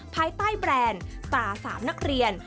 ภายใต้แบรนด์ตรา๓นักเรียน